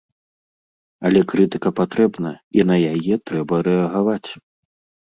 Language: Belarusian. Але крытыка патрэбна, і на яе трэба рэагаваць.